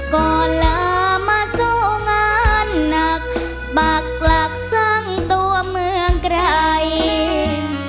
ก่อนลามาสู้งานหนักปากหลักสร้างตัวเมืองไกล